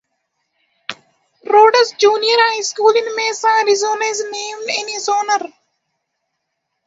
Rhodes Junior High School in Mesa, Arizona is named in his honor.